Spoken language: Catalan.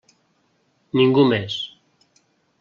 Ningú més.